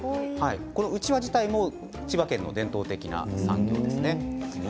うちわ自体も千葉県の伝統的な産業ですね。